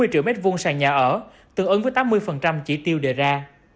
năm mươi triệu m hai sàn nhà ở tương ứng với tám mươi chỉ tiêu đề ra